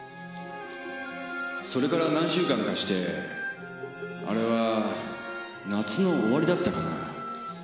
それから何週間かしてあれは夏の終わりだったかな。